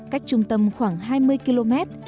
cách trung tâm khoảng hai mươi km